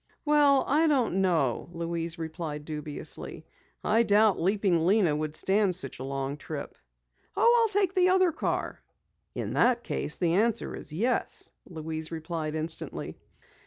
"Well, I don't know," Louise replied dubiously. "I doubt Leaping Lena would stand such a long trip." "Oh, I'll take the other car." "In that case the answer is 'yes,'" Louise replied instantly.